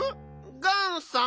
ガンさん？